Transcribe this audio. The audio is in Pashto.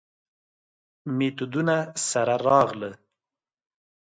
میتودونو سره راغله.